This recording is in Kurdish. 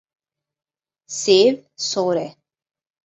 Sêv sor e.